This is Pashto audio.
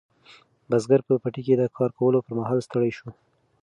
بزګر په پټي کې د کار کولو پر مهال ستړی شو.